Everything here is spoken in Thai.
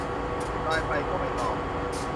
ไลน์ไปก็ไม่ตอบ